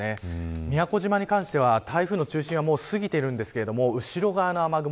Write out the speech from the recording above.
宮古島に関しては台風の中心は過ぎているんですけど後ろ側の雨雲